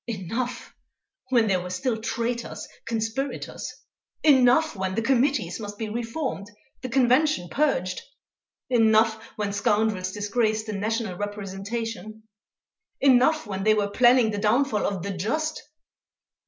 Enough, when there were still traitors, conspirators! Enough, when the Committees must be reformed, the Convention purged! Enough, when scoundrels disgraced the National representation. Enough, when they were planning the downfall of _The Just!